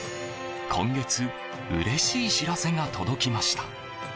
今月、うれしい知らせが届きました。